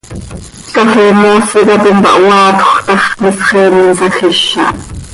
Cafee moosi cap impahoaatjö ta x, misxeen insajíz aha.